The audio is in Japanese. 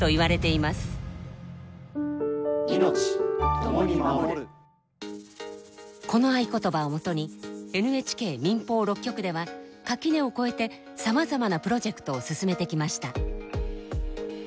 そしてこの合言葉をもとにＮＨＫ民放６局では垣根を越えてさまざまなプロジェクトを進めてきました。